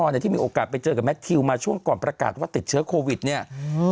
เนี่ยที่มีโอกาสไปเจอกับแมททิวมาช่วงก่อนประกาศว่าติดเชื้อโควิดเนี่ยอืม